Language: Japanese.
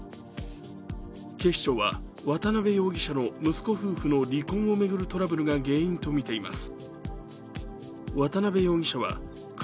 警視庁は、渡辺容疑者の息子夫婦の離婚を巡るトラブルが原因とみています。